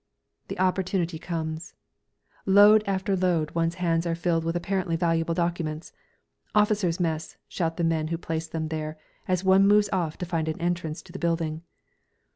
The opportunity comes. Load after load one's hands are filled with apparently valuable documents. "Officers' Mess," shout the men who place them there, as one moves off to find an entrance to the building.